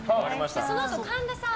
そのあと神田さん